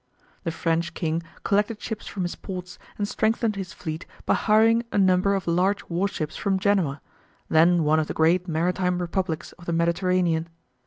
The French King collected ships from his ports and strengthened his fleet by hiring a number of large warships from Genoa, then one of the great maritime republics of the Mediterranean.